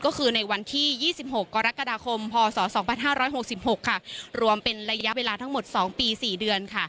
ก็คือในวันที่๒๖กรกฎาคมพศ๒๕๖๖รวมเป็นระยะเวลาทั้งหมด๒ปี๔เดือน